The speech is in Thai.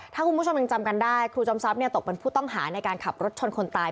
ถ้าคุณผู้ชมยังจำกันได้ครูจอมทรัพย์ตกเป็นผู้ต้องหาในการขับรถชนคนตาย